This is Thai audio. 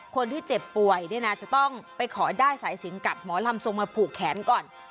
คนที่เจ็บป่วยเนี่ยนะจะต้องไปขอได้สายสินกับหมอลำทรงมาผูกแขนก่อน